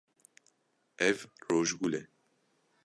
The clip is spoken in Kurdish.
Ev rojgul e.